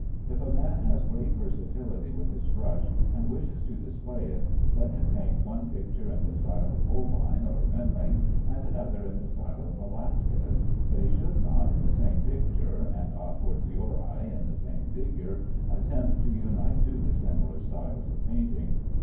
If a man has great versatility with his brush and wishes to display it, let him paint one picture in the style of Holbein or Memling, and another in the style of Velasquez, but he should not in the same picture (and à fortiori in the same figure) attempt to unite two dissimilar styles of painting.